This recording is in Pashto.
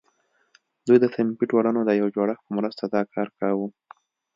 دوی د صنفي ټولنو د یو جوړښت په مرسته دا کار کاوه.